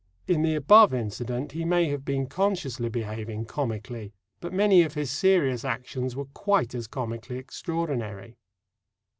In the above incident he may have been consciously behaving comically. But many of his serious actions were quite as comically extraordinary.